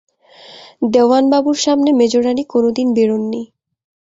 দেওয়ানবাবুর সামনে মেজোরানী কোনোদিন বেরোন নি।